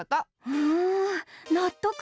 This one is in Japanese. うんなっとく！